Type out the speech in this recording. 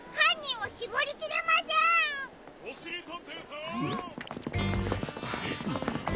おしりたんていさん！